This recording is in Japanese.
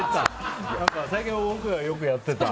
最近、僕がよくやってた。